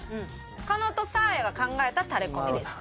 加納とサーヤが考えたタレコミです。